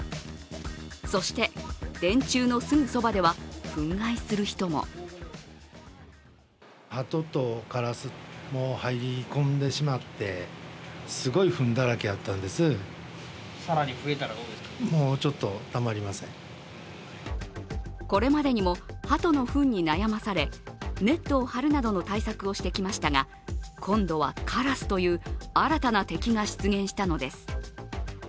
そして電柱のすぐそばでは憤慨する人もこれまでにも鳩のふんに悩まされネットを張るなどの対策をしてきましたが、今度はカラスという新たな敵が出現したのです。